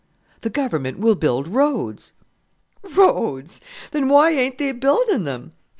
"The Government will build roads." "Roads! Then why ain't they building them?